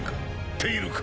「ペイル」か？